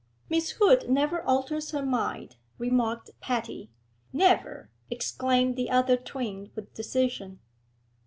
'Miss Hood never alters her mind,' remarked Patty. 'Never,' exclaimed the other twin with decision.